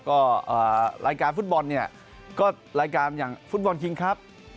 ก็รายการฟุตบอลเนี่ยก็รายการอย่างฟุตบอลคิงครับ